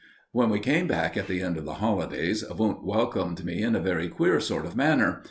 When we came back at the end of the holidays, Wundt welcomed me in a very queer sort of manner.